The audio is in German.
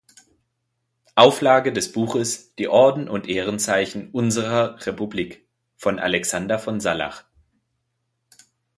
Auflage des Buches "Die Orden und Ehrenzeichen unserer Republik" von Alexander von Sallach.